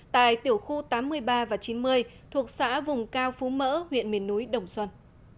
tại tiểu khu tám mươi ba và chín mươi thuộc xã vùng cao phú mỡ huyện miền núi đồng xuân